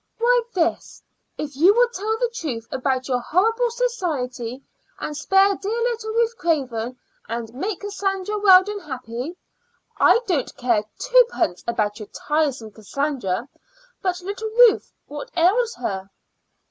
"Why, this: if you will tell the truth about your horrible society, and spare dear little Ruth Craven, and make Cassandra Weldon happy." "I don't care twopence about your tiresome Cassandra; but little Ruth what ails her?"